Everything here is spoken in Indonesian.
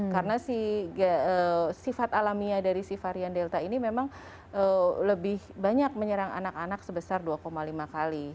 karena sifat alaminya dari si varian delta ini memang lebih banyak menyerang anak anak sebesar dua lima kali